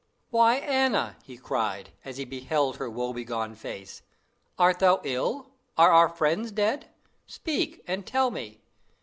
"Why, Anna!" he cried, as he beheld her woe begone face, "art thou ill? Are our friends dead? Speak, and tell me!"